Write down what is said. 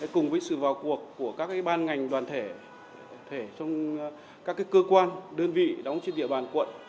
cùng với sự vào cuộc của các ban ngành đoàn thể trong các cơ quan đơn vị đóng trên địa bàn quận